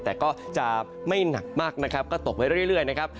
แต่ก็จะไม่หนักมากนะครับก็ตกไว้เรื่อยนะครับ